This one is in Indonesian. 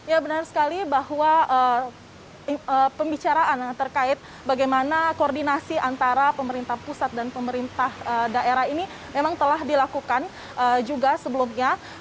ya benar sekali bahwa pembicaraan terkait bagaimana koordinasi antara pemerintah pusat dan pemerintah daerah ini memang telah dilakukan juga sebelumnya